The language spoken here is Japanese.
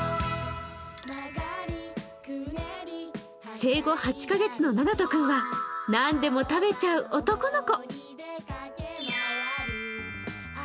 生後８カ月のナナトくんは何でも食べちゃう男の子。